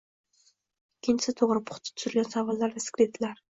ikkinchisi, toʻgʻri, puxta tuzilgan savollar va skriptlar.